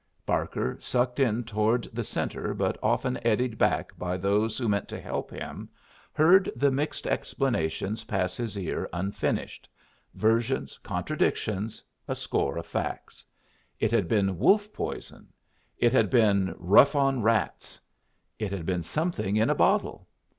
Barker, sucked in toward the centre but often eddied back by those who meant to help him, heard the mixed explanations pass his ear unfinished versions, contradictions, a score of facts. It had been wolf poison. It had been "Rough on Rats." It had been something in a bottle.